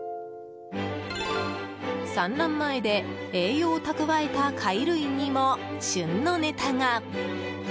産卵前で栄養を蓄えた貝類にも旬のネタが。